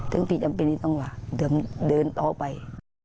ดึงตัวไป